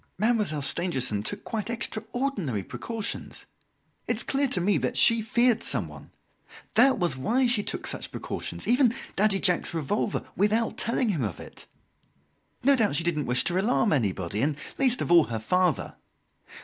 Mademoiselle Stangerson took quite extraordinary precautions! It is clear to me that she feared someone. That was why she took such precautions even Daddy Jacques's revolver without telling him of it. No doubt she didn't wish to alarm anybody, and least of all, her father.